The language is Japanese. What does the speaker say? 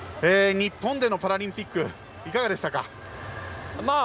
日本でのパラリンピックいかがでしたか？